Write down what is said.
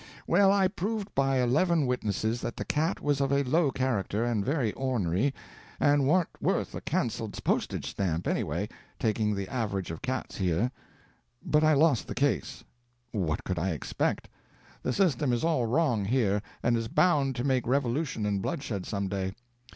"Well, I proved by eleven witnesses that the cat was of a low character and very ornery, and warn't worth a canceled postage stamp, anyway, taking the average of cats here; but I lost the case. What could I expect? The system is all wrong here, and is bound to make revolution and bloodshed some day.